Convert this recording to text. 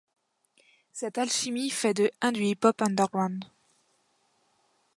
Cette alchimie fait de ' un du hip-hop underground.